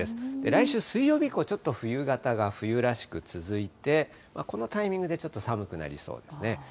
来週水曜日以降、ちょっと冬型が冬らしく続いて、このタイミングでちょっと寒くなりそうですね。